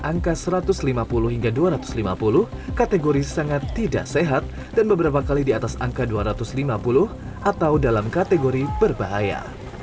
angka satu ratus lima puluh hingga dua ratus lima puluh kategori sangat tidak sehat dan beberapa kali di atas angka dua ratus lima puluh atau dalam kategori berbahaya